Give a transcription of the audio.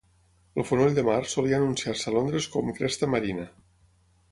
El fonoll de mar solia anunciar-se a Londres com "Cresta Marina".